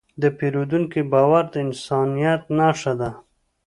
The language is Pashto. د پیرودونکي باور د انسانیت نښه ده.